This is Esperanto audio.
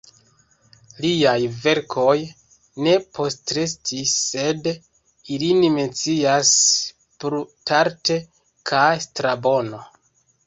Liaj verkoj ne postrestis, sed ilin mencias Plutarko kaj Strabono.